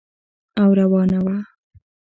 او روانه وه.